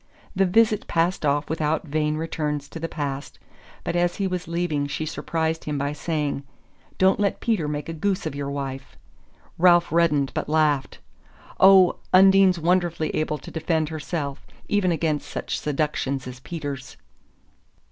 The visit passed off without vain returns to the past; but as he was leaving she surprised him by saying: "Don't let Peter make a goose of your wife." Ralph reddened, but laughed. "Oh, Undine's wonderfully able to defend herself, even against such seductions as Peter's."